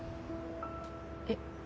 えっ？